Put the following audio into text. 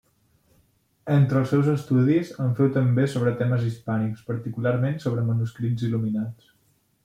Entre els seus estudis, en féu també sobre temes hispànics, particularment sobre manuscrits il·luminats.